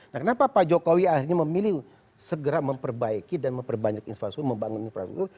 nah kenapa pak jokowi akhirnya memilih segera memperbaiki dan memperbanyak infrastruktur membangun infrastruktur